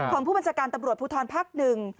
ของผู้บัญชาการตำรวจภูทรภักดิ์๑